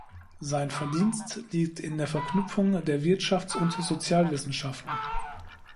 Sein Verdienst liegt in der Verknüpfung der Wirtschafts- und Sozialwissenschaften.